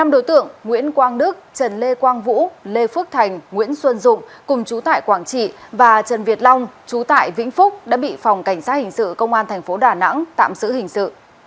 năm đối tượng nguyễn quang đức trần lê quang vũ lê phước thành nguyễn xuân dụng cùng chú tại quảng trị và trần việt long chú tại vĩnh phúc đã bị phòng cảnh sát hình sự công an thành phố đà nẵng tạm giữ hình sự